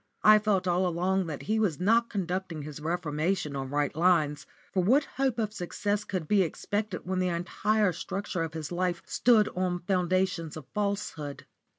I felt all along that he was not conducting his reformation on right lines, for what hope of success could be expected when the entire structure of his life stood on foundations of falsehood?